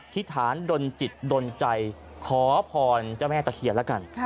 ธิษฐานดนจิตดนใจขอพรเจ้าแม่ตะเคียนแล้วกัน